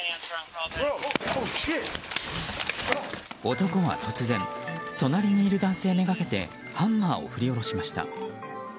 男は突然隣にいる男性目がけてハンマーを振り下ろしました。